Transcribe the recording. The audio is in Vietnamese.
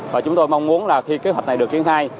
và chúng tôi mong muốn là khi kế hoạch này được triển khai